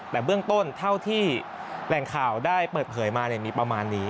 แต่เบื้องต้นเท่าที่แหล่งข่าวได้เปิดเผยมามีประมาณนี้